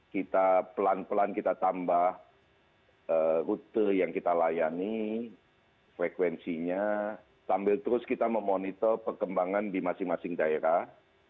kita pelan pelan kita tambah rute yang kita layani frekuensinya sambil terus kita memonitor perkembangan di masing masing daerah